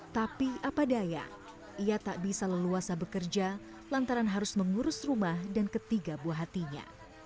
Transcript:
tapi apa daya ia tak bisa leluasa bekerja lantaran harus mengurus rumah dan ketiga buah hatinya